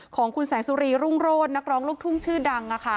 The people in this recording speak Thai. ของคุณแสงสุรีรุ่งโรธนักร้องลูกทุ่งชื่อดัง